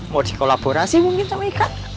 mau dikolaborasi mungkin sama ikan